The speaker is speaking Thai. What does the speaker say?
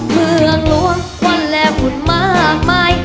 เมื่อหลวงวันแล้วผุดมากมาย